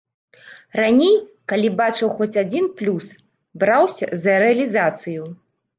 Раней, калі бачыў хоць адзін плюс, браўся за рэалізацыю.